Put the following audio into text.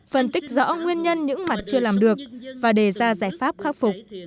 phân tích rõ nguyên nhân những mặt chưa làm được và đề ra giải pháp khắc phục